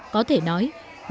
có thể nói